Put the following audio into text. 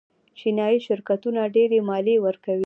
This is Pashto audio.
چینايي شرکتونه ډېرې مالیې ورکوي.